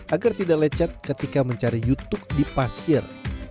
agar tidak lecet ketika mencari youtube di pasir